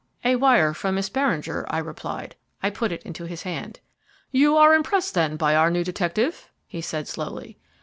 "A wire from Miss Beringer," I replied. I put it into his hand. "You are impressed, then, by our new detective?" he said slowly.